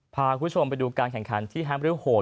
พาคุณผู้ชมไปดูการแข่งขันที่แฮมริวโหด